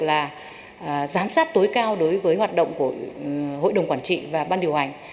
là giám sát tối cao đối với hoạt động của hội đồng quản trị và ban điều hành